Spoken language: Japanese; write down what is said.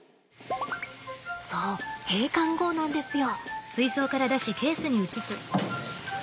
そう閉館後なんですよ。